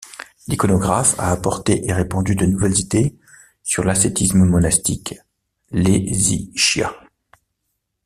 L'iconographe a apporté et répandu de nouvelles idées sur l'ascétisme monastique, l'hésychia.